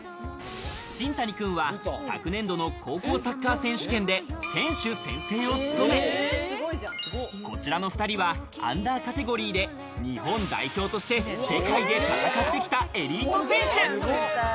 新谷くんは昨年度の高校サッカー選手権で選手宣誓を務め、こちらの２人はアンダーカテゴリーで日本代表として世界で戦ってきたエリート選手。